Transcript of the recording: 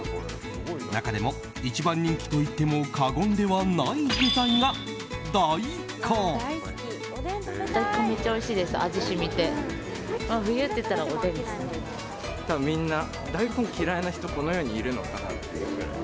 中でも一番人気と言っても過言ではない具材が、大根。